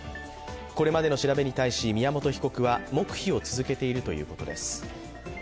これまでの調べに対し宮本被告は黙秘を続けているということです。